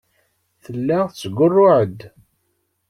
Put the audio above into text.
Tella tettgurruɛ-d.